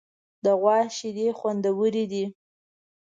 د غوا شیدې خوندورې دي.